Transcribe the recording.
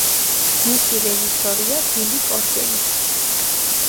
მისი რეჟისორია ბილი კორგენი.